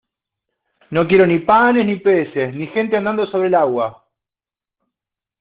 no quiero ni panes, ni peces , ni gente andando sobre el agua